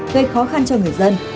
gây khó khăn cho người dân